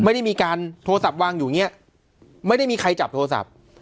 ไม่ได้มีการโทรศัพท์วางอยู่อย่างเงี้ยไม่ได้มีใครจับโทรศัพท์